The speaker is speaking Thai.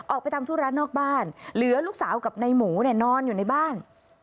ออกไปทำธุระนอกบ้านเหลือลูกสาวกับในหมูเนี่ยนอนอยู่ในบ้าน